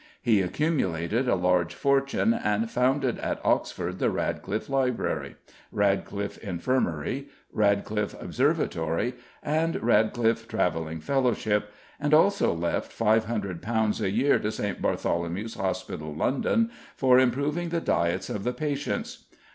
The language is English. He accumulated a large fortune, and founded at Oxford the Radcliffe Library, Radcliffe Infirmary, Radcliffe Observatory, and Radcliffe Travelling Fellowship, and also left £500 a year to St. Bartholomew's Hospital, London, for improving the diets of the patients.